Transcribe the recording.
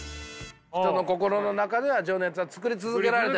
人の心の中では情熱が作り続けられてるんだ。